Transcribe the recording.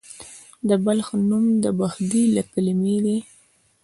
د بلخ نوم د بخدي له کلمې دی